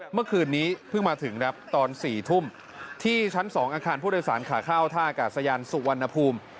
เมื่อคืนนี้เพิ่งมาถึงครับตอน๔ทุ่มที่ชั้น๒อาคารผู้โดยสารขาเข้าท่าอากาศยานสุวรรณภูมิ